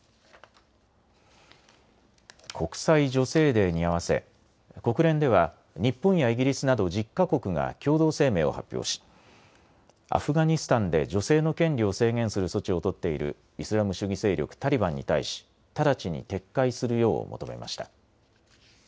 国際女性デーに合わせ国連では日本やイギリスなど１０か国が共同声明を発表しアフガニスタンで女性の権利を制限する措置を取っているイスラム主義勢力タリバンに対し直ちに撤回するよう求めました。